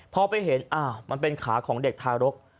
พอไปเห็นอ้าวมันเป็นขาของเด็กทารก